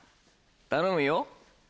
頼むよ。